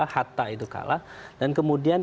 hatta itu kalah dan kemudian